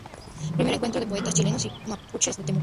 Primer encuentro de poetas chilenos y mapuches", en Temuco.